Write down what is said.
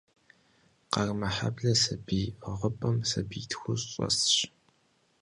Къармэхьэблэ сабий ӏыгъыпӏэм сабий тхущӀ щӀэсщ.